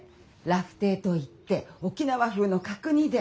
ラフテーと言って沖縄風の角煮で。